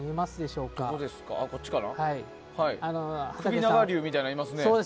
首長竜みたいなのがいますね。